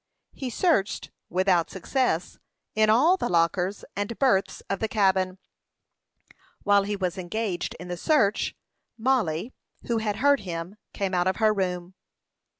He searched, without success, in all the lockers and berths of the cabin. While he was engaged in the search, Mollie, who had heard him, came out of her room.